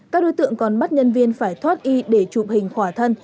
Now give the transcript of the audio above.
các đối tượng còn bắt nhân viên phải thoát y để chụp hình khỏa thân